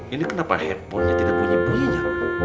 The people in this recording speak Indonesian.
ini kenapa handphonenya tidak bunyi bunyinya